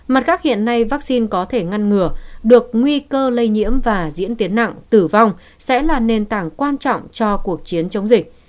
mặt khác hiện nay vaccine có thể ngăn ngừa được nguy cơ lây nhiễm và diễn tiến nặng tử vong sẽ là nền tảng quan trọng cho cuộc chiến chống dịch